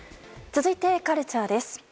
続いて、カルチャーです。